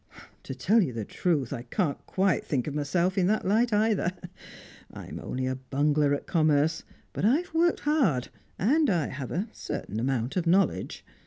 "To tell you the truth, I can't quite think of myself in that light either. I'm only a bungler at commerce, but I've worked hard, and I have a certain amount of knowledge.